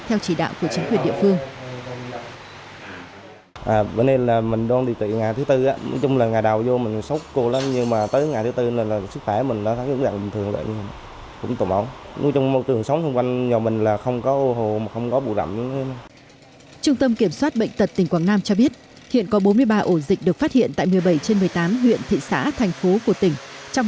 theo chỉ đạo của chính quyền địa phương